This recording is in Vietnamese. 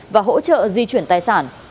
và hỗ trợ di chuyển tài sản